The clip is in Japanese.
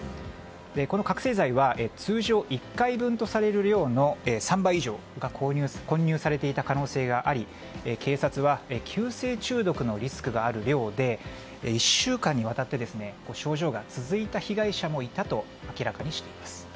この覚醒剤は通常１回分とされる量の３倍以上が混入されていた可能性があり警察は急性中毒のリスクがある量で１週間にわたって症状が続いた被害者もいたと明らかにしています。